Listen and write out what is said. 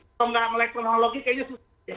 kalau nggak ngelihat teknologi kayaknya sudah jauh